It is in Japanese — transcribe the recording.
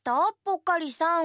ぽっかりさん。